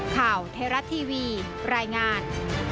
ข่าวเทราะต์ทีวีรายงาน